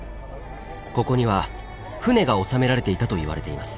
ここには船が収められていたといわれています。